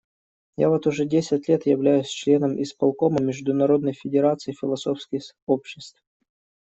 Я вот уже десять лет являюсь членом исполкома Международной федерации философских обществ.